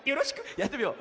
やってみよう。